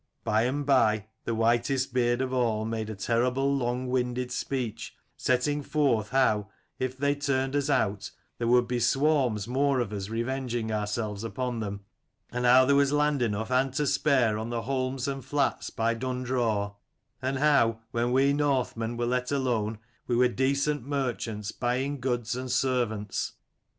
By and by the whitest beard of all 22 made a terrible long winded speech, setting forth how, if they turned us out, there would be swarms more of us revenging ourselves upon them : and how there was land enough and to spare on the holms and flats by Dundraw : and how, when we Northmen were let alone we were decent merchants, buying goods and servants.